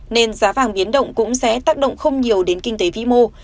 nên giá vàng biến động cũng sẽ tác động không nhiều đến kinh tế vĩ mô